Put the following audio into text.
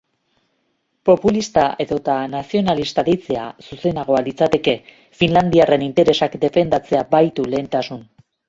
Populista edota nazionalista deitzea zuzenagoa litzateke, finlandiarren interesak defendatzea baitu lehentasun.